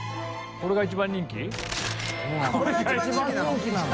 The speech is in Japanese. これが一番人気なの？